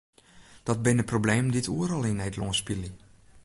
Dat binne problemen dy't oeral yn Nederlân spylje.